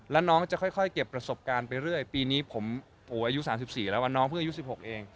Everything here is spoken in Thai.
แล้วน้องจะค่อยเก็บประสบการณ์ไปเรื่อยปีนี้ผมโหอายุสามสิบสี่แล้วว่าน้องเพิ่มอายุสิบหกเอง